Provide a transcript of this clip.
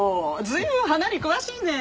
随分花に詳しいね。